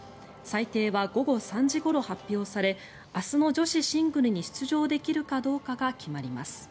裁定は午後３時ごろ発表され明日の女子シングルに出場できるかどうかが決まります。